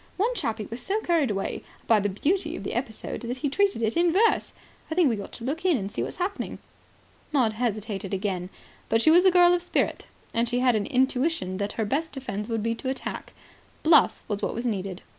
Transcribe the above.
One chappie was so carried away by the beauty of the episode that he treated it in verse. I think we ought to look in and see what's happening." Maud hesitated again. But she was a girl of spirit. And she had an intuition that her best defence would be attack. Bluff was what was needed.